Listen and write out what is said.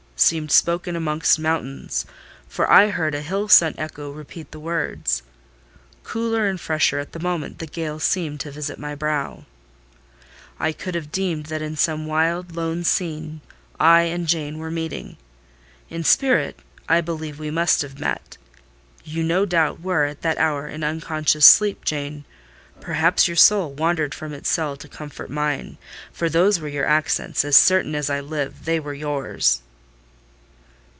seemed spoken amongst mountains; for I heard a hill sent echo repeat the words. Cooler and fresher at the moment the gale seemed to visit my brow: I could have deemed that in some wild, lone scene, I and Jane were meeting. In spirit, I believe we must have met. You no doubt were, at that hour, in unconscious sleep, Jane: perhaps your soul wandered from its cell to comfort mine; for those were your accents—as certain as I live—they were yours!"